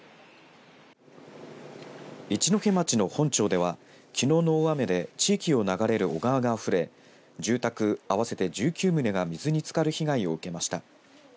一戸町の本町ではきのうの大雨で地域を流れる小川があふれ住宅合わせて１９棟が水につかる被害を受けました。